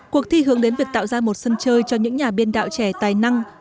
cuộc thi hướng đến việc tạo ra một sân chơi cho những nhà biên đạo trẻ tài năng